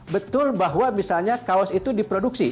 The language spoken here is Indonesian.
betul bahwa misalnya kaos itu diproduksi